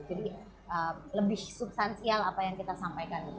jadi lebih substansial apa yang kita sampaikan